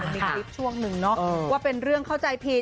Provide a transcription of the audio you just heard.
มีคลิปช่วงหนึ่งเนาะว่าเป็นเรื่องเข้าใจผิด